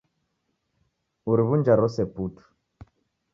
Uriw'unja rose putu